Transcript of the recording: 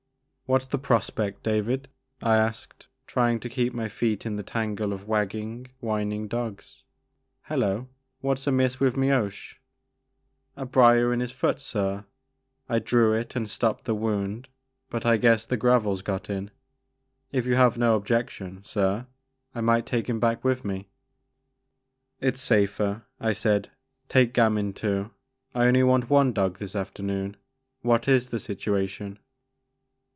"What's the prospect, David," I asked, try ing to keep my feet in the tangle of wagging, whining dogs; ''hello, what's amiss witii Mioche?" " A brier in his foot sir ; I drew it ai^d stopped the wound but I guess the gravel 's got in. If you have no objection, sir, I might take him back with me." " It 's safer," I said ;take Gamin too, I only want one dog this afternoon. What is the situa tion?"